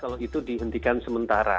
kalau itu dihentikan sementara